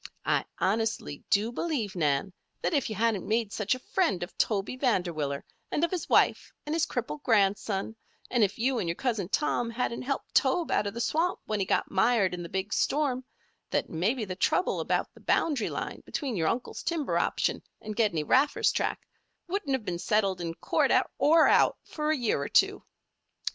"I honestly do believe, Nan, that if you hadn't made such a friend of Toby Vanderwiller and of his wife and his crippled grandson, and if you and your Cousin Tom hadn't helped Tobe out of the swamp when he got mired in the big storm, that maybe the trouble about the boundary line between your uncle's timber option and Gedney Raffer's tract, wouldn't have been settled, in court or out, for a year or two.